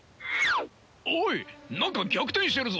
おい何か逆転してるぞ！